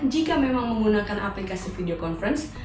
jika memang menggunakan aplikasi video conference